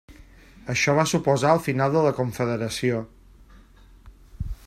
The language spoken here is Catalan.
Això va suposar el final de la Confederació.